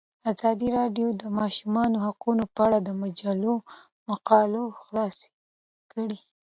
ازادي راډیو د د ماشومانو حقونه په اړه د مجلو مقالو خلاصه کړې.